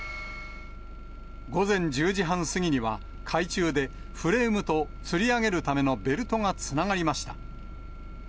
午前１０時半過ぎには、海中でフレームとつり上げるためのベルトがつながりました。